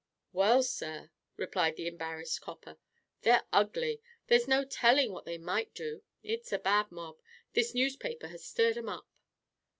"Well, sir," replied the embarrassed copper, "they're ugly. There's no telling what they might do. It's a bad mob this newspaper has stirred 'em up."